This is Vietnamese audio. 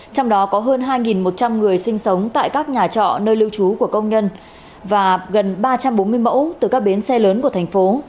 trong đó có hơn hai một trăm linh người sinh sống tại các nhà trọ nơi lưu trú của công nhân và gần ba trăm bốn mươi mẫu từ các bến xe lớn của thành phố